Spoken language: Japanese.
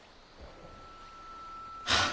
はあ。